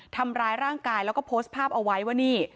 ทำร้ายร่างกายแล้วก็โพสต์ภาพเอาไว้ว่านี่